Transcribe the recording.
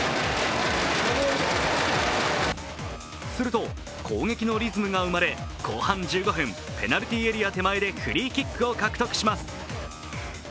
すると、攻撃のリズムが生まれ、後半１５分、ペナルティーエリア手前でフリーキックを獲得します。